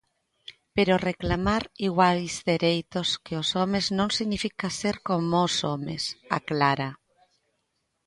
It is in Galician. "Pero reclamar iguais dereitos que os homes non significa ser como os homes", aclara.